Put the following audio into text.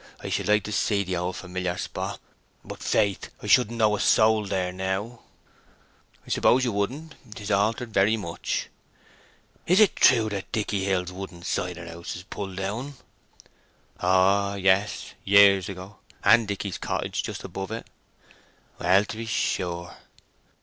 I should like to see the old familiar spot; but faith, I shouldn't know a soul there now." "I suppose you wouldn't. 'Tis altered very much." "Is it true that Dicky Hill's wooden cider house is pulled down?" "Oh yes—years ago, and Dicky's cottage just above it." "Well, to be sure!"